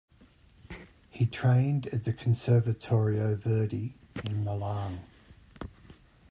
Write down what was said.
He trained at the Conservatorio Verdi in Milan.